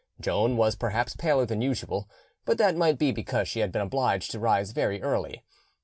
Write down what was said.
Joan was perhaps paler than usual, but that might be because she had been obliged to rise very early.